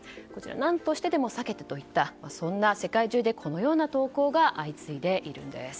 何としてでも避けてといった世界中で、このような投稿が相次いでいるんです。